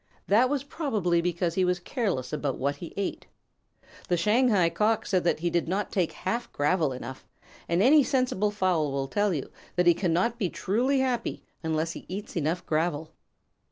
That was probably because he was careless about what he ate. The Shanghai Cock said that he did not take half gravel enough, and any sensible fowl will tell you that he cannot be truly happy unless he eats enough gravel.